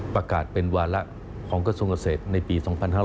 ประกาศเป็นวาระของกระทรวงเกษตรในปี๒๕๖๐